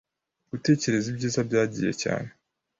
Gutekereza ibyiza byagiy cyane